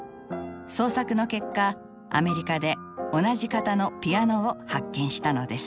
捜索の結果アメリカで同じ型のピアノを発見したのです。